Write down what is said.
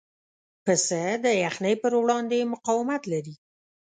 پسه د یخنۍ پر وړاندې مقاومت لري.